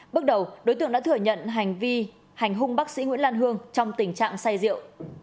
bước đầu đối tượng đã thừa nhận hành vi hành hung bác sĩ nguyễn lan hương trong tình trạng say rượu